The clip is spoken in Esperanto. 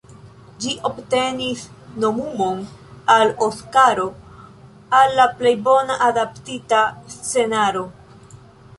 Ĝi obtenis nomumon al Oskaro al la plej bona adaptita scenaro.